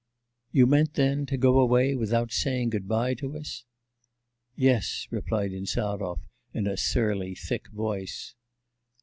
'You meant, then, to go away without saying good bye to us?' 'Yes,' replied Insarov in a surly, thick voice.